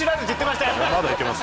まだいけます。